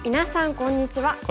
こんにちは。